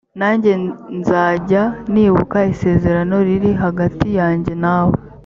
nanjye nzajya nibuka isezerano riri hagati yanjye nawe